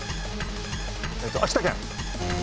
秋田県。